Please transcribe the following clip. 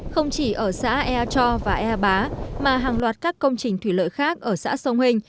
không chỉ ở xã ea cho và ea bá mà hàng loạt các công trình thủy lợi khác ở xã sông hình